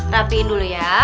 rapiin dulu ya